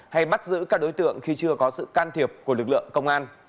hay bắt giữ các đối tượng khi chưa có sự can thiệp của lực lượng công an